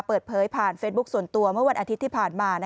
เปิดเผยผ่านเฟซบุ๊คส่วนตัวเมื่อวันอาทิตย์ที่ผ่านมา